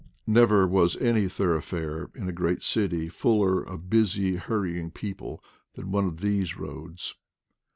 Never was any thoroughfare in a great city fuller of busy hurrying people than one of these roads.